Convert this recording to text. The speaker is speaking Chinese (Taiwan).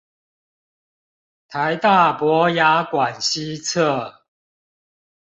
臺大博雅館西側